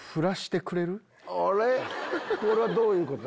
これはどういうことだ？